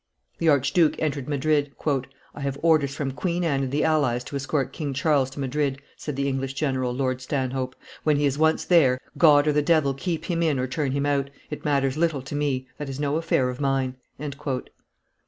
The archduke entered Madrid. "I have orders from Queen Anne and the allies to escort King Charles to Madrid," said the English general, Lord Stanhope; when he is once there, God or the devil keep him in or turn him out; it matters little to me; that is no affair of mine."